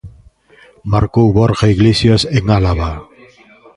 Marcou Borja Iglesias en Álava.